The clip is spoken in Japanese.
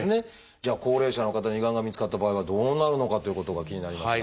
じゃあ高齢者の方に胃がんが見つかった場合はどうなるのかということが気になりますが。